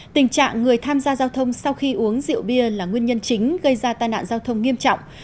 tình trạng người tham gia giao thông sau khi uống rượu bia là nguyên nhân chính gây ra tai nạn giao thông nghiêm trọng